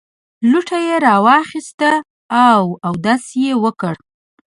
لوټه یې راواخیسته او اودس یې وکړ.